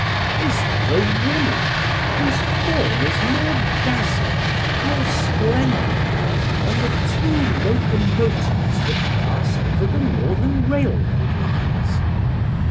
Is there a woman, whose form is more dazzling, more splendid than the two locomotives that pass over the Northern Railroad lines?